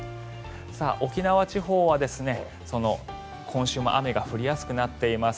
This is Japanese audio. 沖縄地方は今週も雨が降りやすくなっています。